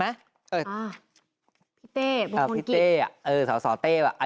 ได้ไหมอ่าพี่เต้พี่เต้อ่าพี่เต้เออสาวสาวเต้อ่ะ